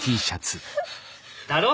だろ？